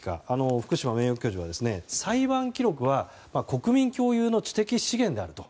福島名誉教授は裁判記録は国民共有の知的資源であると。